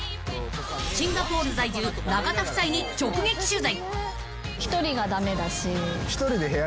シンガポール在住中田夫妻に直撃取材。